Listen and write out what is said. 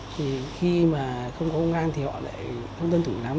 thì khi mà không có công an thì họ lại không tuân thủ lắm